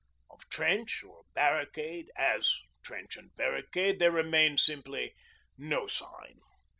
Of trench or barricade, as trench and barricade, there remained, simply, no sign.